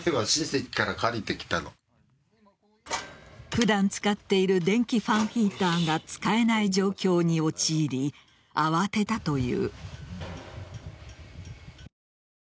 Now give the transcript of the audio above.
普段使っている電気ファンヒーターが使えない状況に陥り慌てたという。